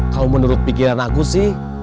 kalau menurut pikiran aku sih